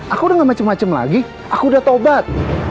aku udah gak macem macem lagi aku udah taubat